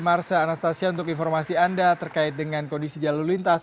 marsha anastasia untuk informasi anda terkait dengan kondisi jalur lintas